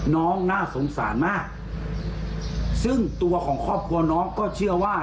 น้องน่าสงสารมากซึ่งตัวของครอบครัวน้องก็เชื่อว่า